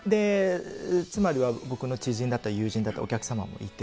つまりは、僕の知人だったり友人だったり、お客様もいて。